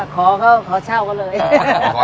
ขอเช่าก็เลย